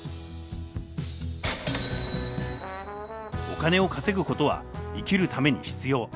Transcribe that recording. お金を稼ぐことは生きるために必要。